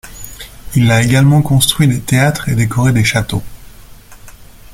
Il a également construit des théâtres et décoré des châteaux.